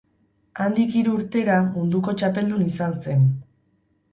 Handik hiru urtera munduko txapeldun izan zen.